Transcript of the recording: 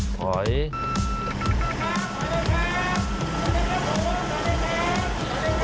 อ๋อขออีก